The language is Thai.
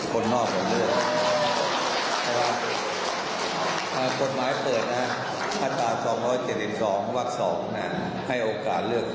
คนนอกก่อนเลือก